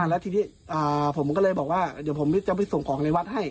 แล้วทีนี้ผมก็เลยบอกว่าเดี๋ยวผมจะไปส่งของในวัดให้